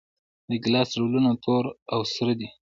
د ګیلاس ډولونه تور او سره دي.